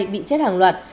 bị chết hàng loạt